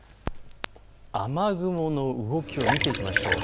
雨雲の動きを見ていきましょう。